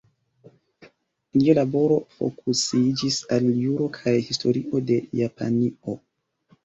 Lia laboro fokusiĝis al juro kaj historio de Japanio.